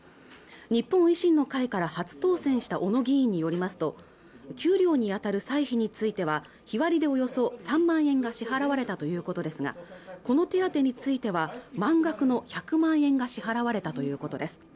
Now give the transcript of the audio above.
日本維新の会から初当選した小野議員によりますと給料に当たる歳費については日割りでおよそ３万円が支払われたということですがこの手当については満額の１００万円が支払われたということです